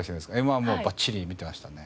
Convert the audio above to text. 『Ｍ−１』はもうバッチリ見てましたね。